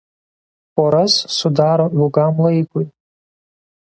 Poras sudaro ilgam laikui.